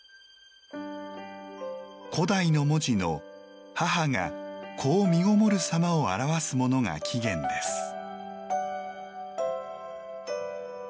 古代の文字の母が子をみごもるさまを表すものが起源です。